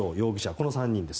この３人です。